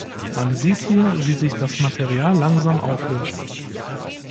Man sieht hier, wie sich das Material langsam auflöst.